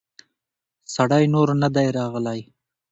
سړی نور نه دی راغلی.